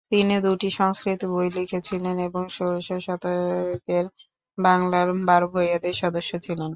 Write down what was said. তিনি দুটি সংস্কৃত বই লিখেছিলেন এবং ষোড়শ শতকের বাংলার বারো ভূঁইয়াদের সদস্য ছিলেন।